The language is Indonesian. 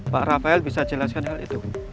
pak rafael bisa jelaskan hal itu